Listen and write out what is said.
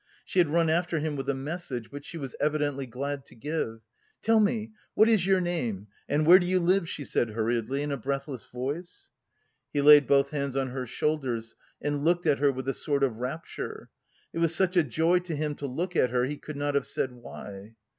She had run after him with a message which she was evidently glad to give. "Tell me, what is your name?... and where do you live?" she said hurriedly in a breathless voice. He laid both hands on her shoulders and looked at her with a sort of rapture. It was such a joy to him to look at her, he could not have said why.